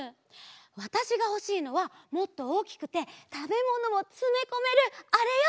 わたしがほしいのはもっとおおきくてたべものもつめこめるあれよ！